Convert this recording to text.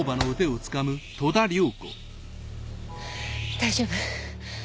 大丈夫？